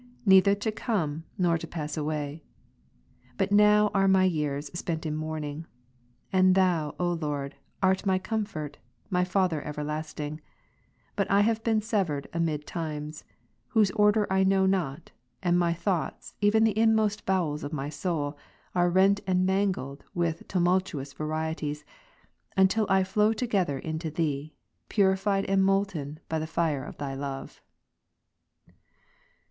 27, 4. neither to come, nor to pass away. But now are my years Ps.si, spent in mourning. And Thou, O Lord, art my comfort, my ^^* Father everlasting, but I have been severed amid times, whose order I know not ; and my thoughts, even the inmost bowels of my soul, are rent and mangled with tumultuous varieties, until I flow together into Thee, purified and molten by the fire of Thy love.